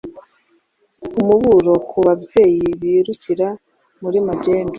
Umuburo ku babyeyi birukira muri magendu